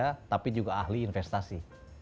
beriang ini juga ahli investasi